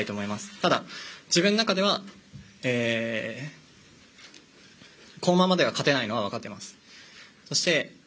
ただ、自分の中ではこのままでは勝てないのは分かっています。